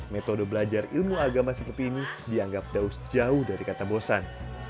metode belajar ilmu agama seperti ini dianggap daus jauh dari kata bosan